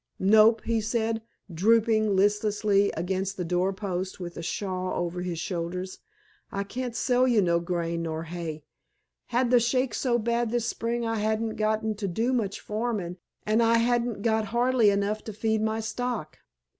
"Nope," he said, drooping listlessly against the door post with a shawl over his shoulders, "I cain't sell you no grain nor hay. Had th' shakes so bad this spring I hain't got to do much farmin', and I hain't got hardly enough to feed my stock."